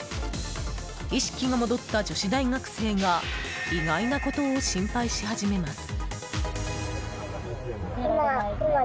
意識が戻った女子大学生が意外なことを心配し始めました。